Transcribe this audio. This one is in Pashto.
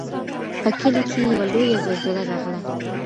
په کلي کې یوه لویه زلزله راغله.